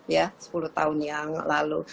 ya sepuluh tahun yang lalu